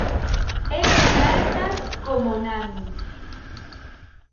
Es tan alta como Nami.